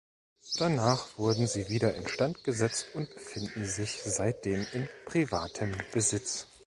Danach wurden sie wieder instandgesetzt und befinden sich seitdem in privatem Besitz.